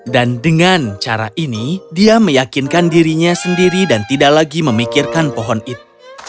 dan dengan cara ini dia meyakinkan dirinya sendiri dan tidak lagi memikirkan pohon itu